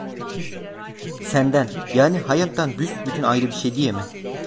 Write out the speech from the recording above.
Senden, yani hayattan büsbütün ayrı bir şey diye mi?